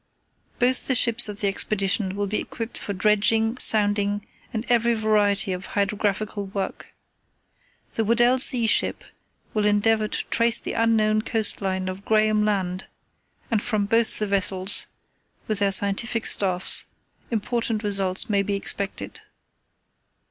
"Both the ships of the Expedition will be equipped for dredging, sounding, and every variety of hydrographical work. The Weddell Sea ship will endeavour to trace the unknown coast line of Graham Land, and from both the vessels, with their scientific staffs, important results may be expected.